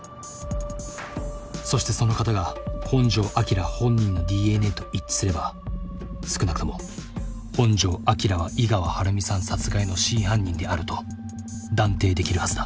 そしてその型が本城彰本人のＤＮＡと一致すれば少なくとも本城彰は井川晴美さん殺害の真犯人であると断定できるはずだ。